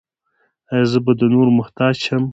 ایا زه به د نورو محتاج شم؟